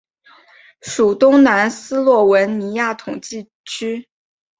属东南斯洛文尼亚统计区。